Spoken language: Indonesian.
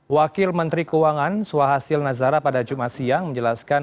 wakil menteri keuangan suhasil nazara pada jumat siang menjelaskan